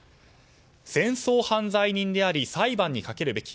戦争犯罪人であり裁判にかけるべき。